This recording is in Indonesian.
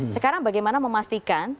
sekarang bagaimana memastikan